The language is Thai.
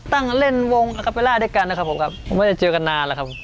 ตั้งเล่นวงอาคาเบล่าด้วยกันนะครับผมครับผมไม่ได้เจอกันนานแล้วครับ